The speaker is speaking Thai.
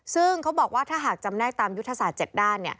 ซึ่งเขาบอกว่าถ้าหากจำได้ตามยุทธศาสตร์๗ด้าน